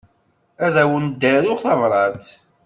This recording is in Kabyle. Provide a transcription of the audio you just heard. Ad awen-d-aruɣ tabṛat.